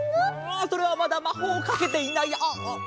ああそれはまだまほうをかけていないあっあっ。